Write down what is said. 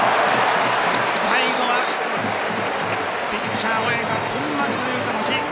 最後はピッチャー・青柳が根負けという形。